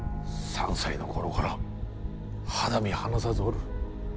３歳の頃から肌身離さずおる。